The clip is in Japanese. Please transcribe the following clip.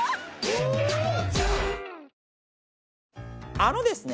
あのですね